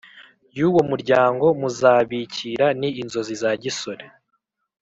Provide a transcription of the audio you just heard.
y' uwo muryango: '' muzabikira. ni inzozi za gisore!'' …